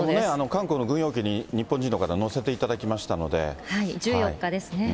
韓国の軍用機に日本人の方、１４日ですね。